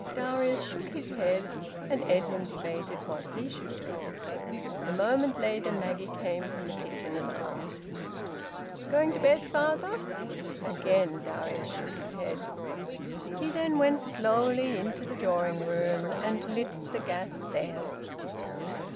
Darius shook his head, and Edwin debated what he should do. A moment later, Maggie came from the kitchen and asked "Going to bed, father?" Again Darius shook his head. He then went slowly into the drawing room and lit the gas there.